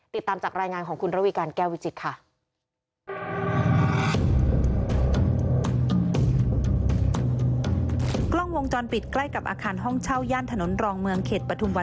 ติดตามจากรายงานของคุณระวีการแก้ววิจิตรค่ะ